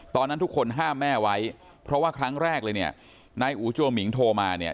ตอนนั้นทุกคนห้ามแม่ไว้เพราะว่าครั้งแรกเลยเนี่ยนายอูจัวหมิงโทรมาเนี่ย